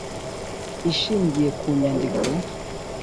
ishingiye ku nyandiko